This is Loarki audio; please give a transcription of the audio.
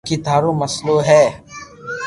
باقي ٿارو مسلئ ھي